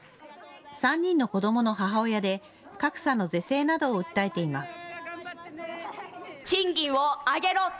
３人の子どもの母親で、格差の是正などを訴えています。